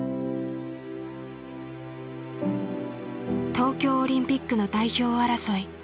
東京オリンピックの代表争い。